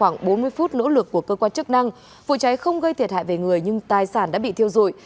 nỗ lực của cơ quan chức năng vụ cháy không gây thiệt hại về người nhưng tài sản đã bị thiêu dụi